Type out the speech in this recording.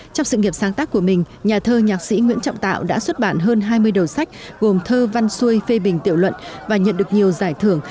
trong sự nghiệp sáng tác của mình nhà thơ nhạc sĩ nguyễn trọng tạo đã xuất bản hơn hai mươi đầu sách gồm thơ văn xuôi phê bình tiệu luận và nhận được nhiều giải thưởng